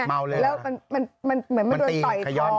เมาเลยหรือมันตีขย้องมันตีขย้องอ๋อมันตีขย้อง